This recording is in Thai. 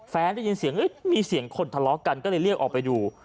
ได้ยินเสียงมีเสียงคนทะเลาะกันก็เลยเรียกออกไปดู